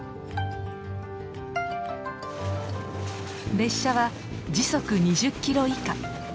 列車は時速２０キロ以下。